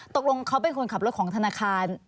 ตกลงเขาเป็นคนขับรถของธนาคาร